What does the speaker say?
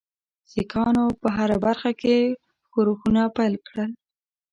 سیکهانو په هره برخه کې ښورښونه پیل کړل.